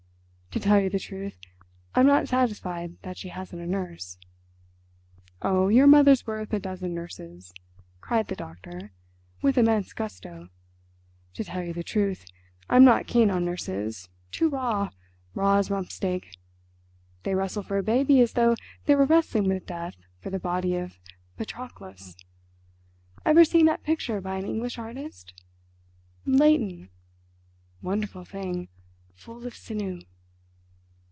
"To tell you the truth, I'm not satisfied that she hasn't a nurse." "Oh, your mother's worth a dozen nurses," cried the doctor, with immense gusto. "To tell you the truth, I'm not keen on nurses—too raw—raw as rump steak. They wrestle for a baby as though they were wrestling with Death for the body of Patroclus.... Ever seen that picture by an English artist. Leighton? Wonderful thing—full of sinew!"